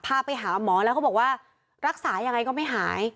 พาไปหาหมอแล้วเขาบอกว่ารักษายังไงก็ไม่หาย